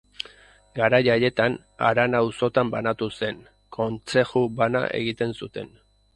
Garai haietan, harana auzotan banatu zen, kontzeju bana egiten zuten.